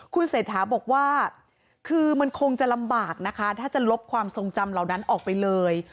คุณเศรษฐาบอกว่าคือมันคงจะลำบากนะคะถ้าจะลบความทรงจำเหล่านั้นออกไปเลย